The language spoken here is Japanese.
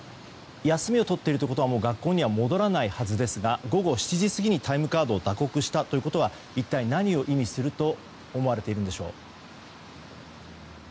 休みを取っているということは学校には戻らないはずですが午後７時過ぎにタイムカードを打刻したということは一体何を意味すると思われているんでしょう。